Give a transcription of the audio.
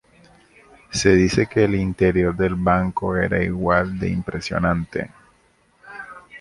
Se dice que el interior del banco era igual de impresionante.